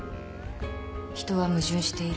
人は矛盾している。